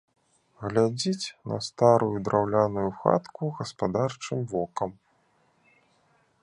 Глядзіць на старую драўляную хатку гаспадарчым вокам.